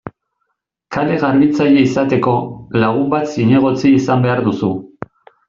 Kale-garbitzaile izateko, lagun bat zinegotzi izan behar duzu.